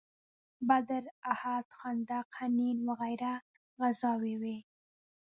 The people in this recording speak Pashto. بدر، احد، خندق، حنین وغیره غزاوې وې.